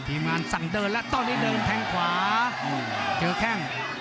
ทีมงานสั่งเดินแล้วตอนนี้เดินแทงขวาเจอแข้ง